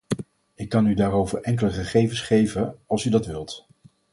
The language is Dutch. Ik kan u daarover enkele gegevens geven, als u dat wilt.